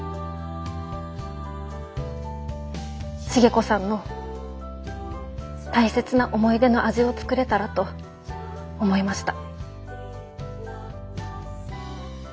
重子さんの大切な思い出の味を作れたらと思いました。